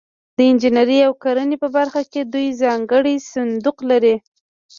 د انجنیري او کرنې په برخه کې دوی ځانګړی صندوق لري.